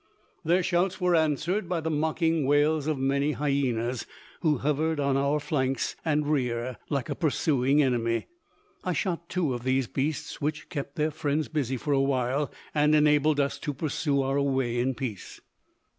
Their shouts were answered by the mocking wails of many hyenas, who hovered on our flanks and rear like a pursuing enemy. I shot two of these beasts, which kept their friends busy for a while, and enabled us to pursue our way in peace.